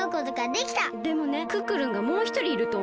でもねクックルンがもうひとりいるとおもう。